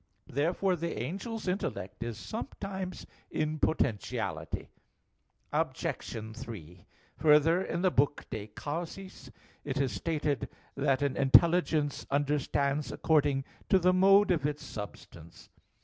Therefore the angel's intellect is sometimes in potentiality. Obj. 3: Further, in the book De Causis it is stated that "an intelligence understands according to the mode of its substance."